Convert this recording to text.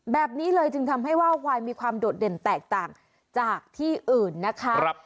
แบบนี้เลยจึงทำให้ว่าวควายมีความโดดเด่นแตกต่างจากที่อื่นนะคะ